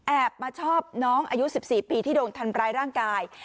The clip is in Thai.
มาชอบน้องอายุ๑๔ปีที่โดนทำร้ายร่างกาย